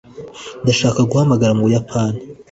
Ndashaka guhamagara mu Buyapani.